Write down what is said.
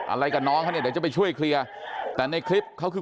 อะไรกับน้องเขาเนี่ยเดี๋ยวจะไปช่วยเคลียร์แต่ในคลิปเขาคือ